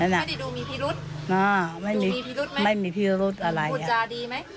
นั่นนะไม่มีพิรุษอะไรพูดจาดีไหม